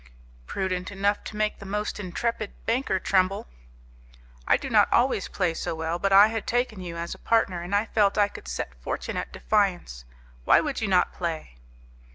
"Prudent enough to make the most intrepid banker tremble." "I do not always play so well, but I had taken you as a partner, and I felt I could set fortune at defiance. Why would you not play?"